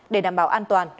để đảm bảo an toàn